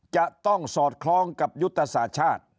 จะต้องสอดคล้องกับยุทธศาสตร์ชาติ